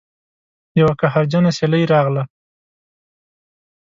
یوه قهرجنه سیلۍ راغله